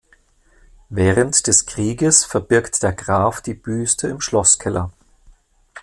Während des Krieges verbirgt der Graf die Büste im Schlosskeller.